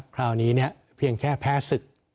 คราวนี้เพียงแค่แพ้ศึก